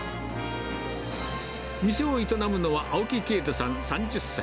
店を営むのは青木啓太さん３０歳。